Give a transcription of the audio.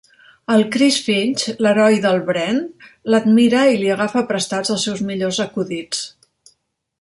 El Chris Finch, l'heroi del Brent, l'admira i li agafa prestats els seus millors acudits.